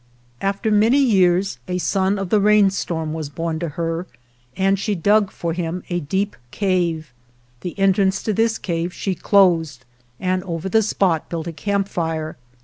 After many years a son of the rainstorm i See Chapter IV. 5 GERONIMO was born to her and she dug for him a deep cave. The entrance to this cave she closed and over the spot built a camp fire..